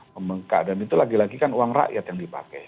membengkak dan itu lagi lagi kan uang rakyat yang dipakai